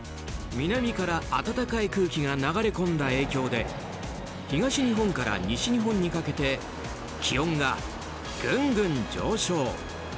南から暖かい空気が流れ込んだ影響で東日本から西日本にかけて気温がぐんぐん上昇。